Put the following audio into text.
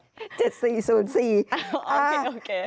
โอเคโอเค